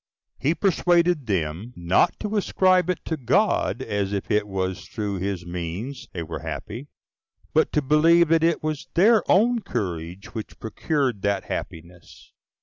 He persuaded them not to ascribe it to God, as if it was through his means they were happy, but to believe that it was their own courage which procured that happiness.